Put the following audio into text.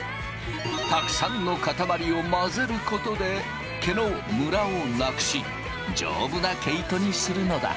たくさんの塊を混ぜることで毛のムラをなくし丈夫な毛糸にするのだ。